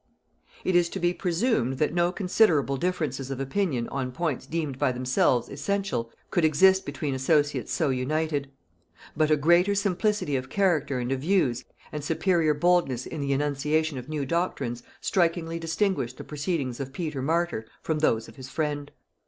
It is to be presumed that no considerable differences of opinion on points deemed by themselves essential could exist between associates so united; but a greater simplicity of character and of views, and superior boldness in the enunciation of new doctrines, strikingly distinguished the proceedings of Peter Martyr from those of his friend.